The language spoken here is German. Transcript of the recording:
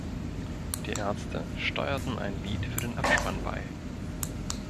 Die Ärzte steuerten ein Lied für den Abspann bei.